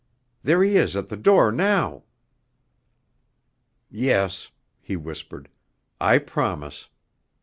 There he is at the door now." "Yes," he whispered, "I promise.